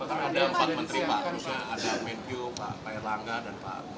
ada empat menteri pak ada medjo pak pair langga dan pak